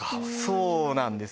そうなんです。